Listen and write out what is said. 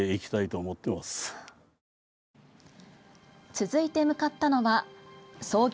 続いて向かったのは創業